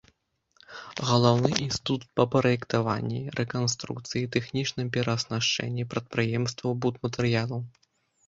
Галаўны інстытут па праектаванні, рэканструкцыі і тэхнічным перааснашчэнні прадпрыемстваў будматэрыялаў.